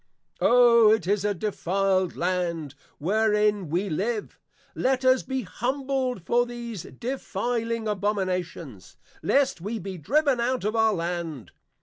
O 'tis a Defiled Land, wherein we live; Let us be humbled for these Defiling Abominations, lest we be driven out of our Land.